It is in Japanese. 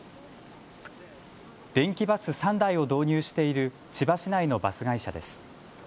電気バス３台を導入している千葉市内のバス会社です。